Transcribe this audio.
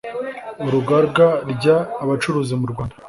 Urugaga ry abacuruzi mu rwanda